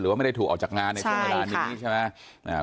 ว่าไม่ได้ถูกออกจากงานในช่วงเวลานี้ใช่ไหม